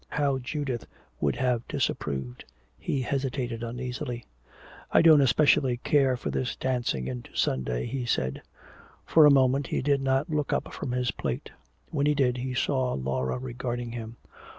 How Judith would have disapproved. He hesitated uneasily. "I don't especially care for this dancing into Sunday," he said. For a moment he did not look up from his plate. When he did he saw Laura regarding him.